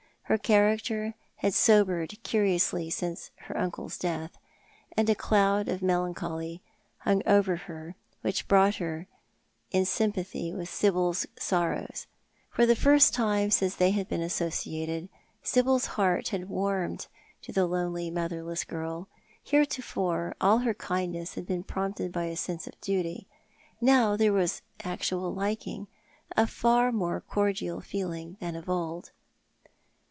Her character had sobered curiously since her uncle's death, and a cloud of melancholy hung over her, which brought her in sympathy witli Sibyl's sorrows. For the first time since they had been associated, Sibyl's heart had warmed to the lonely, motherless girl. Heretofore all her kindnesses had been prompted by the sense of duty. Now there was actual liking — a far more cordial feeling than of old.